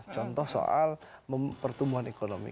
contoh soal pertumbuhan ekonomi